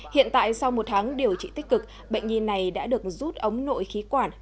hiện tại sau một tháng điều trị tích cực bệnh nhi này đã được rút ống nội khí quản